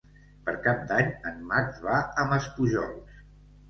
Per Cap d'Any en Max va a Maspujols.